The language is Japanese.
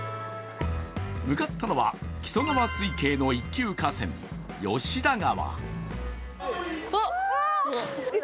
向かったのは木曽川水系の一級河川、吉田川。